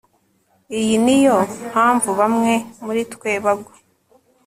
Iyi niyo mpamvu bamwe muri twe bagwa